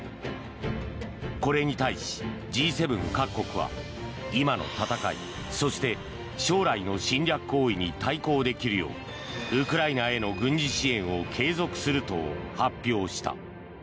これに対し、Ｇ７各国は今の戦いそして将来の侵略行為に対抗できるようウクライナへの軍事支援を継続すると発表した。